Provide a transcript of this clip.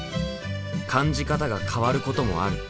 感じ方が変わることもある。